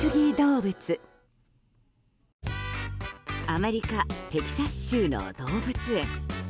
アメリカ・テキサス州の動物園。